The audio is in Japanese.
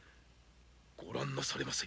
ご覧なされませ。